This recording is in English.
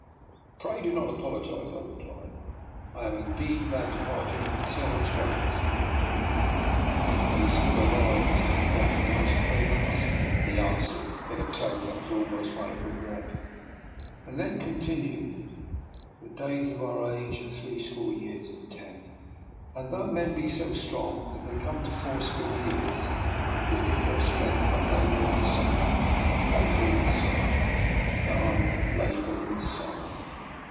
" Pray do not apologise," I replied. " I am indeed glad to find you looking so much better this morning." " If to be still alive is to be better, then I 124 DR. NIKOLA'S EXPERIMENT. suppose I must be," he answered, in a tone that was almost one of regret ; and then con tinued, The days of our age are three score years and ten; and though men be so strong that they come to fourscore years, yet is their .strength but labour and sorrow; labour and sorrow — aye, labour and sorrow."